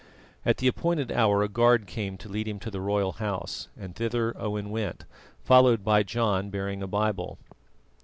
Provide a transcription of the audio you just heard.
At the appointed hour a guard came to lead him to the royal house, and thither Owen went, followed by John bearing a Bible.